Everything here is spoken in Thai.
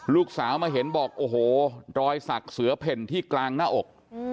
ลูกสาวมาเห็นบอกโอ้โหรอยสักเสือเพ่นที่กลางหน้าอก